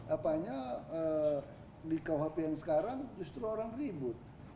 apanya di kuhp yang sekarang justru orang ribut